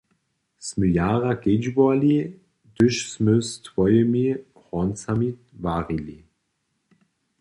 Smy jara kedźbowali, hdyž smy z twojimi horncami warili.